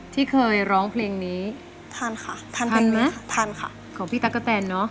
ที่เคยร้องเพลงนี้ทานค่ะทันทันไหมทานค่ะของพี่ตั๊กกะแตนเนอะ